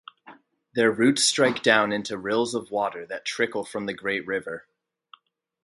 Their roots strike down into rills of water that trickle from the great river.